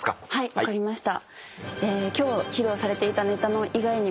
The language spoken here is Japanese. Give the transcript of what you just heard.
分かりました。